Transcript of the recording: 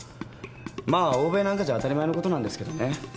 まあ欧米なんかじゃ当たり前のことなんですけどね。